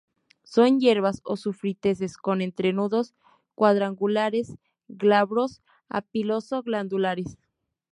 Son hierbas o sufrútices con entrenudos cuadrangulares, glabros a piloso-glandulares.